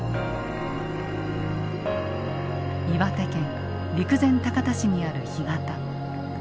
岩手県陸前高田市にある干潟。